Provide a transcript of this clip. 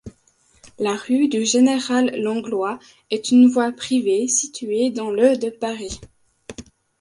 La rue du Général-Langlois est une voie privée située dans le de Paris.